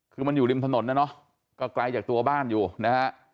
คือมันอยู่ริมถนนนะเนาะก็ไกลจากตัวบ้านอยู่นะฮะ